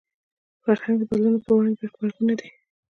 فرهنګ د بدلونونو پر وړاندې بې غبرګونه دی